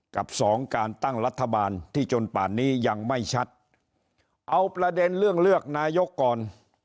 กับสองการตั้งรัฐบาลที่จนป่านนี้ยังไม่ชัดเอาประเด็นเรื่องเลือกนายกก่อน